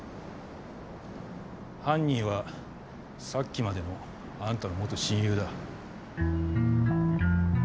犯人はさっきまでのあんたの元親友だ。